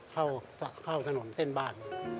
เข้าถนนเส้นบ้าน